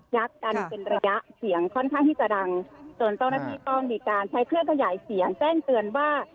กันเป็นระยะเสียงค่อนข้างที่จะดังจนเจ้าหน้าที่ต้องมีการใช้เครื่องขยายเสียงแจ้งเตือนว่า